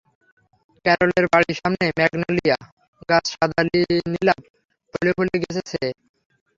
ক্যারলের বাড়ির সামনের ম্যাগনোলিয়া গাছ সাদা নীলাভ ফুলে ফুলে গেছে ছেয়ে।